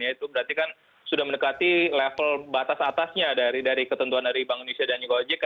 itu berarti kan sudah mendekati level batas atasnya dari ketentuan dari bank indonesia dan juga ojk